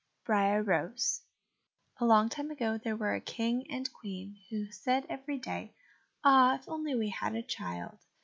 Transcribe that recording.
50 Briar Rose A long time ago there were a King and Queen who said every day, "Ah, if only we had a child!"